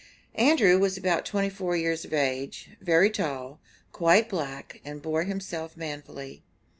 Andrew was about twenty four years of age, very tall, quite black, and bore himself manfully.